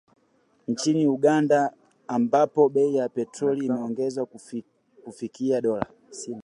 Nchini Uganda ambapo bei ya petroli imeongezeka kufikia dola kumi na nne kwa lita